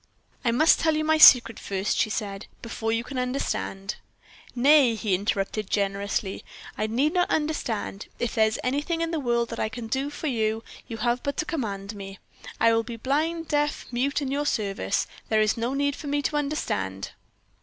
"I must tell you my secret first," she said, "before you can understand " "Nay," he interrupted, generously, "I need not understand. If there is anything in the world that I can do for you, you have but to command me. I will be blind, deaf, mute, in your service. There is no need for me to understand."